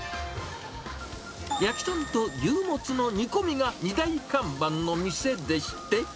ヤキトンと牛モツの煮込みが二大看板の店でして。